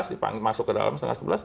dipanggil masuk ke dalam setengah sebelas